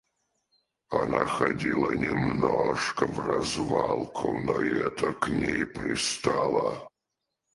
Она ходила немножко вразвалку, но и это к ней пристало.